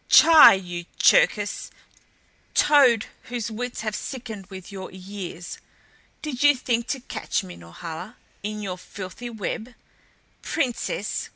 Tchai you Cherkis! Toad whose wits have sickened with your years! "Did you think to catch me, Norhala, in your filthy web? Princess!